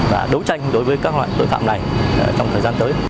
và đấu tranh đối với các loại tội phạm này trong thời gian tới